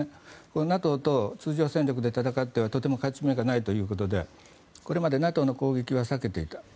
ＮＡＴＯと通常戦略で戦ってはとても勝ち目がないということでこれまでＮＡＴＯの攻撃は避けていた。